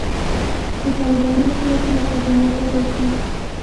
د طالباني الهیاتو نسب نامه پیدا کړو.